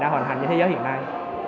đang hoàn hành trên thế giới hiện nay